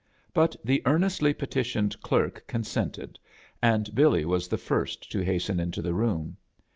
But the earnestly petHiooed clerk con sented, and BiUy was the first to hasten into the room.